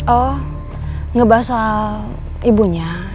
oh ngebahas soal ibunya